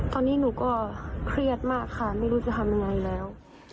ตอนนี้หนูก็เครียดมากค่ะไม่รู้จะทำยังไงแล้ว